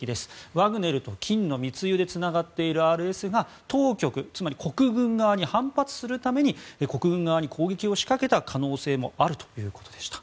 ワグネルと金の密輸でつながっているＲＳＦが当局つまり国軍側に反発するために国軍側に攻撃を仕掛けた可能性もあるということでした。